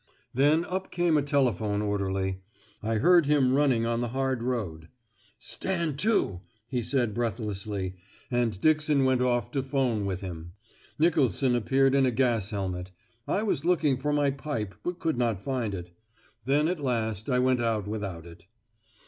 Then up came a telephone orderly. I heard him running on the hard road. 'Stand to,' he said breathlessly, and Dixon went off to the 'phone with him. Nicolson appeared in a gas helmet. I was looking for my pipe, but could not find it. Then at last I went out without it.